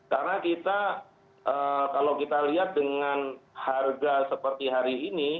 karena kita kalau kita lihat dengan harga seperti hari ini